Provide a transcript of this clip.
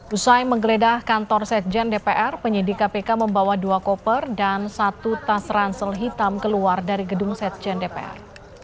usai menggeledah kantor sekjen dpr penyidik kpk membawa dua koper dan satu tas ransel hitam keluar dari gedung sekjen dpr